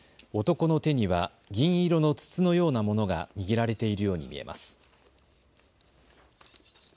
男の手には銀色の筒のようなものが握られているように見えます。